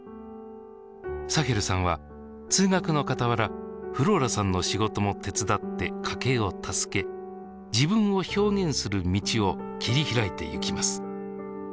サヘルさんは通学のかたわらフローラさんの仕事も手伝って家計を助け自分を表現する道を切り開いてゆきます。